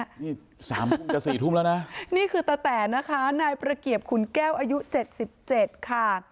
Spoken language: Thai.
นี่สามทุ่มจะสี่ทุ่มแล้วนะนี่คือตะแตนนะคะนายประเกียบขุนแก้วอายุเจ็ดสิบเจ็ดค่ะ